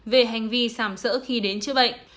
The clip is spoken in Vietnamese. về hành vi sàm sỡ khi đến chữa bệnh